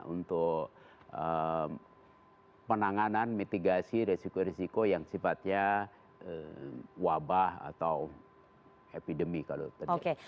untuk penanganan mitigasi resiko risiko yang sifatnya wabah atau epidemi kalau terjadi